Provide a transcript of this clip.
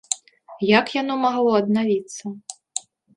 Як яно магло аднавіцца?